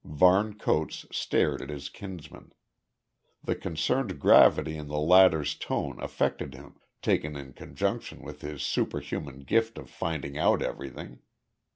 Varne Coates stared at his kinsman. The concerned gravity in the latter's tone affected him, taken in conjunction with his superhuman gift of finding out everything.